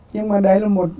nhưng mà đấy là một